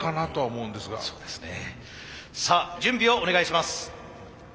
さあ準備をお願いします。